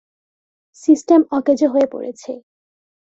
System অকেজো হয়ে পড়েছে!